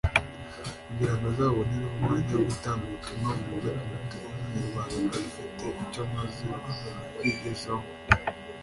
kugira ngo azabonereho umwanya wo gutanga ubutumwa bumuri ku mutima nk’umunyarwandakazi ufite icyo amaze kwigezaho